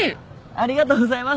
ありがとうございます！